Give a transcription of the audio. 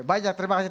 banyak terima kasih